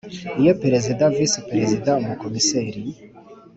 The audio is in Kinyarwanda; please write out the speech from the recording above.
Iyo Perezida Visi Perezida Umukomiseri